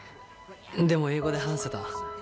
でも英語で話せた。